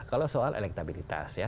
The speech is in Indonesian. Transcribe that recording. kalau soal elektabilitas ya